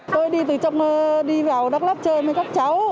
tôi đi vào đắk lóc chơi với các cháu